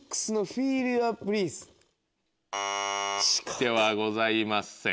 ではございません。